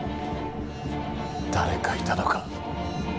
誰かいたのか。